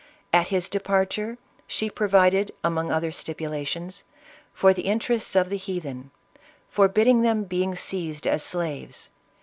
At his departure, she provided, among other stipulations, for the interests of the heathen, forbidding their being seized as slaves.